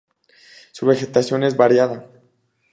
Su vegetación es variada.